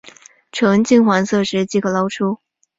呈金黄色时即可捞出。